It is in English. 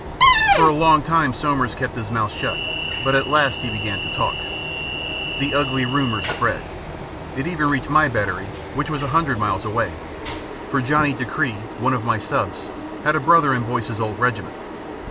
For a long time Somers kept his mouth shut; but at last he began to talk. The ugly rumour spread. It even reached my battery which was a hundred miles away; for Johnny Dacre, one of my subs, had a brother in Boyce's old regiment.